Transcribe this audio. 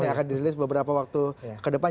yang akan dirilis beberapa waktu ke depan